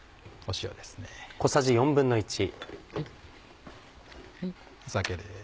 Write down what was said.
塩ですね。